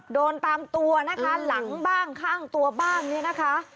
โดนตามตัวนะคะหลังบ้างข้างตัวบ้างเนี่ยนะคะ